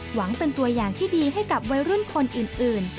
หวังเป็นตัวอย่างที่ดีให้กับวัยรุ่นคนอื่น